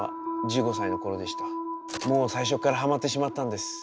もう最初からはまってしまったんです。